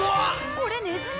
これネズミ？